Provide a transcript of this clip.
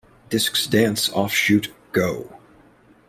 Discs' dance offshoot Go!